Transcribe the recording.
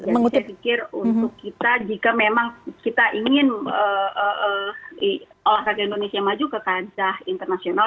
jadi saya pikir untuk kita jika memang kita ingin olahraga indonesia maju ke kajah internasional